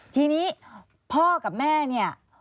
ทีนี้พ่อกับแม่เนี่ย